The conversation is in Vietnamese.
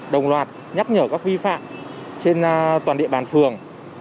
đồng loạt nhắc nhở các vi phạm trên toàn địa bàn phường